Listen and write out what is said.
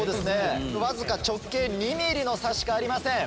わずか直径２ｍｍの差しかありません。